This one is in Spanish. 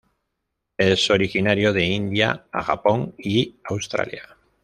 Es originario de India a Japón y Australia.